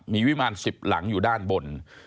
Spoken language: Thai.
มีวิมาร๑๐หลังอยู่ด้านบน